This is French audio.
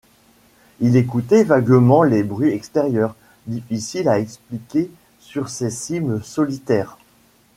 Il écoutait vaguement les bruits extérieurs, difficiles à expliquer sur ces cimes solitaires?